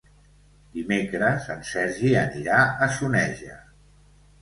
Dimecres en Sergi anirà a Soneja.